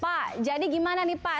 pak jadi gimana nih pak